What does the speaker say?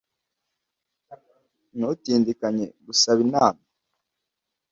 Ntutindiganye gusaba inama